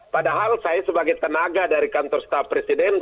padahal saya sebagai tenaga dari kantor staf presiden